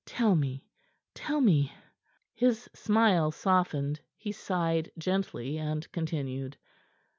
"Tell me; tell me!" His smile softened. He sighed gently and continued.